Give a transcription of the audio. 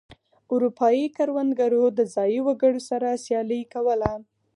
اروپايي کروندګرو د ځايي وګړو سره سیالي کوله.